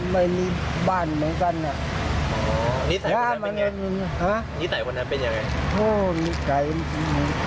ไม่มีบ้านเหมือนกันอ่ะอ๋อนิสัยคนนั้นเป็นยังไงฮะนิสัยคนนั้นเป็นยังไง